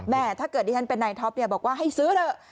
ถ้าเกิดดิฉันเป็นนายท็อปเนี่ยบอกว่าให้ซื้อเถอะ